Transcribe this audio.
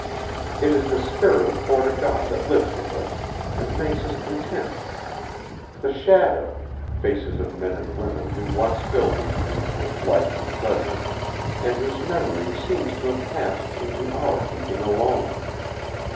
It is the spirit of Fort o' God that lives with us, and makes us content; the shadow faces of men and women who once filled these rooms with life and pleasure, and whose memory seems to have passed into our keeping alone.